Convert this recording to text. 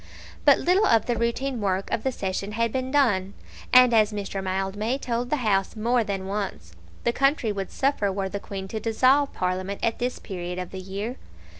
But little of the routine work of the session had been done; and, as Mr. Mildmay told the House more than once, the country would suffer were the Queen to dissolve Parliament at this period of the year.